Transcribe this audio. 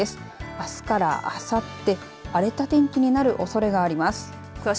あすからあさって荒れた天気になるおそれがあります。